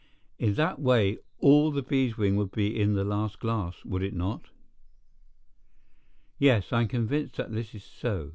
In that way all the beeswing would be in the last glass, would it not? Yes, I am convinced that this is so.